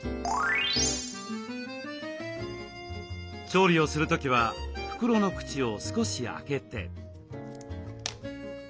調理をする時は袋の口を少し開けて。